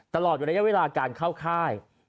ตลอดอยู่ระยะเวลาการเข้าค่าย